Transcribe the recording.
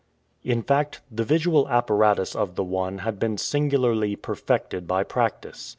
In fact, the visual apparatus of the one had been singularly perfected by practice.